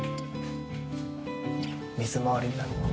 水回りになります。